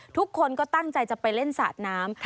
ทุกคนก็ตั้งใจจะไปเล่นสาดน้ำ